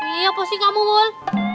iya apa sih kamu wol